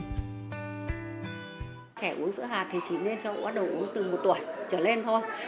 trẻ uống sữa hạt thì chỉ nên cho bắt đầu uống từ một tuổi trở lên thôi